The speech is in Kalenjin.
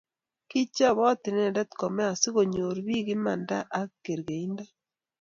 kichobot inende kome asikunyoru biik imanda ak kerkeindo